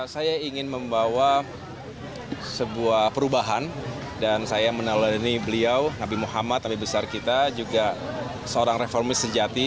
saya ingin membawa sebuah perubahan dan saya menelani beliau nabi muhammad nabi besar kita juga seorang reformis sejati